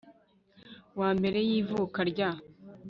wa mbere y ivuka rya